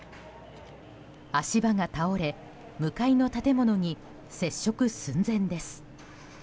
足場が倒れ、向かいの建物に接触寸前です。